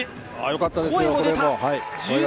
よかったですよ。